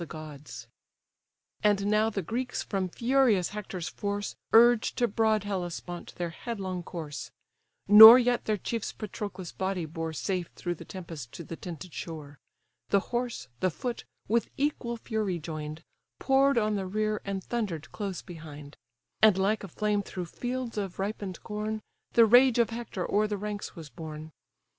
THETIS ORDERING THE NEREIDS TO DESCEND INTO THE SEA And now the Greeks from furious Hector's force, Urge to broad Hellespont their headlong course; Nor yet their chiefs Patroclus' body bore Safe through the tempest to the tented shore. The horse, the foot, with equal fury join'd, Pour'd on the rear, and thunder'd close behind: And like a flame through fields of ripen'd corn, The rage of Hector o'er the ranks was borne.